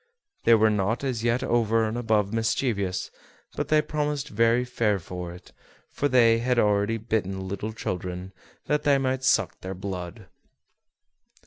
They were not as yet over and above mischievous, but they promised very fair for it, for they had already bitten little children, that they might suck their blood.